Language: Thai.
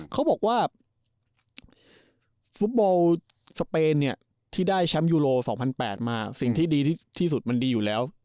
เขาบอกว่าธรรมฝิงสเปนที่ได้ชัมป์ยูโร๒๐๐๘มาสิ่งที่ยังสุดมันดีอยู่แล้ว